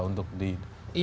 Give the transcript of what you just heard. untuk di dalam sel itu